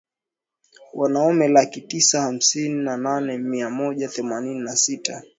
Wanaume laki tisa hamsini na nane mia moja themanini na sita